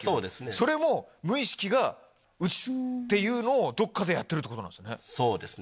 それも無意識が打つっていうのをどっかでやってるってことなんですね。